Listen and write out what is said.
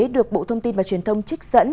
được bộ thông tin và truyền thông trích dẫn